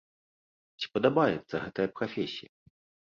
Ці падабаецца гэтая прафесія?